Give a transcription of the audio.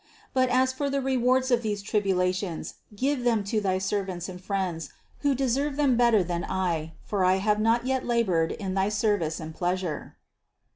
But as for the rewards of these tribulations, give them to thy servants and friends, who deserve them better than I, for I have not yet labored in thy service and pleasure."